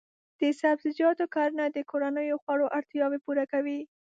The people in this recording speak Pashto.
د سبزیجاتو کرنه د کورنیو خوړو اړتیاوې پوره کوي.